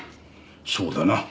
そうだな。